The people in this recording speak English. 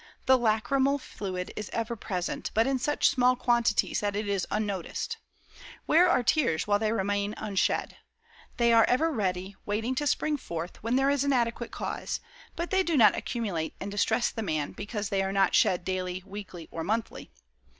The lachrymal fluid is ever present, but in such small quantities that it is unnoticed. Where are tears while they remain unshed? They are ever ready, waiting to spring forth when there is an adequate cause, but they do not accumulate and distress the man because they are not shed daily, weekly, or monthly.